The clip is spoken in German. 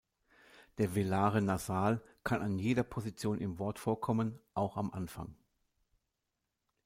Der velare Nasal kann an jeder Position im Wort vorkommen, auch am Anfang.